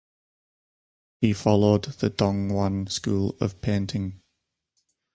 He followed the Dong Yuan school of painting.